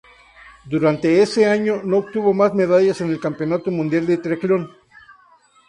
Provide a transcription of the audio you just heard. Durante ese año, no obtuvo más medallas en el Campeonato Mundial de Triatlón.